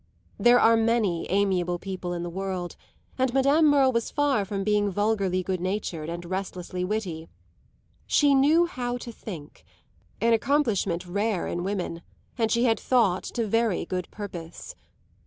There are many amiable people in the world, and Madame Merle was far from being vulgarly good natured and restlessly witty. She knew how to think an accomplishment rare in women; and she had thought to very good purpose.